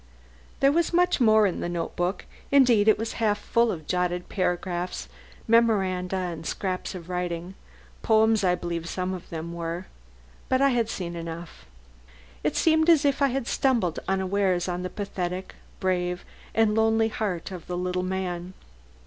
There was much more in the notebook; indeed it was half full of jotted paragraphs, memoranda, and scraps of writing poems I believe some of them were but I had seen enough. It seemed as if I had stumbled unawares on the pathetic, brave, and lonely heart of the little man.